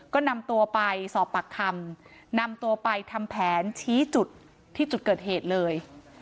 ก็นำตัวไปสอบปากคำนำตัวไปทำแผนชี้จุดที่จุดเกิดเหตุเลย